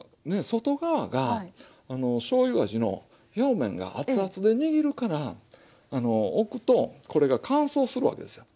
外側がしょうゆ味の表面が熱々で握るから置くとこれが乾燥するわけですよ。